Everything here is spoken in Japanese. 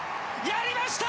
やりました！